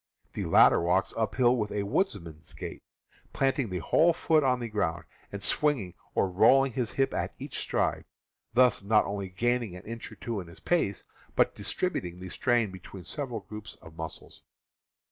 The latter walks uphill with a woodsman's gait, planting the whole foot on the ground, and swinging or rolling the hip at each stride, thus not only gaining an inch or two in his pace, but distribut ing the strain between several groups of muscles.